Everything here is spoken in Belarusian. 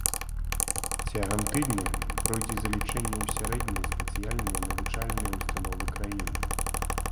Цягам тыдня пройдзе залічэнне ў сярэднія спецыяльныя навучальныя ўстановы краіны.